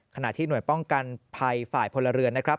ขณะที่หน่วยป้องกันภัยฝ่ายพลเรือนนะครับ